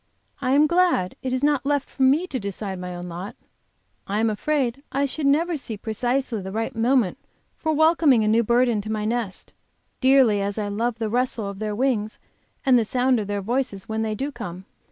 I am glad it is not left for me to decide my own lot. I am afraid I should never see precisely the right moment for welcoming a new bird into my nest, dearly as I love the rustle of their wings and the sound of their voices when they do come.